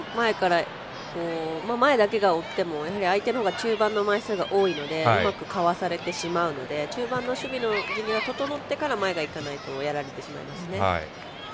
前だけが追っても相手のほうが中盤の枚数が多いのでうまくかわされてしまうので中盤の守備の準備が整ってから前がいかないとやられてしまいますね。